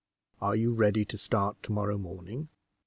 Are you ready to start to morrow morning?"